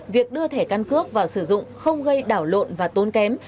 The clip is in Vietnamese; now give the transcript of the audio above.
việc đưa thẻ căn cước vào sử dụng không gây đảo lộn và tốn kém